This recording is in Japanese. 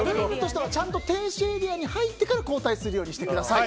ちゃんと停止エリアに入ってから交代するようにしてください。